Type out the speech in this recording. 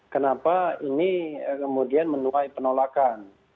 kenapa ini kemudian menuai penolakan